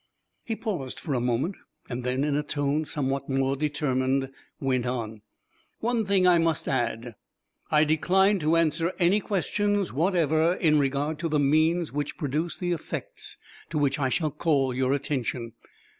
He paused for a moment, and then in a tone somewhat more determined went on. "One thing I must add. I decline to answer any questions whatever in regard to the means which produce the effects to which I shall call your attention.